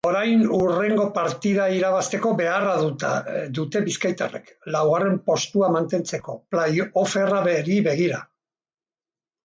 Orain hurrengo partida irabazteko beharra dute bizkaitarrek laugarren postua mantentzeko, play-offetara begira.